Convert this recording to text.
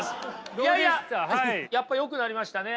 いやいややっぱよくなりましたね。